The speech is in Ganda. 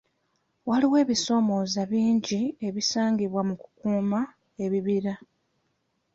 Waliwo ebisomooza bingi ebisangibwa mu ku kuuma ebibira.